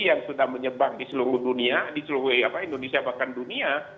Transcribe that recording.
yang sudah menyebar di seluruh dunia di seluruh indonesia bahkan dunia